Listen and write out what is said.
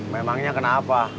memangnya kena apa